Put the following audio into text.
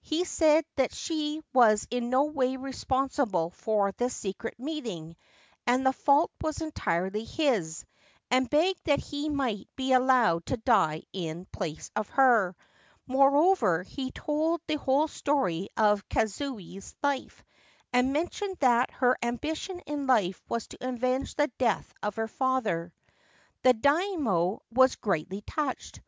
He said that she was in no way responsible for this secret meeting, that the fault was entirely his ; and begged that he might be allowed to die in place of her. Moreover, he told the whole story of Kazuye's life, and mentioned that her ambition in life was to avenge the death of her father. The Daimio was greatly touched.